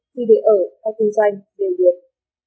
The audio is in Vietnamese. đi để ở hay kinh doanh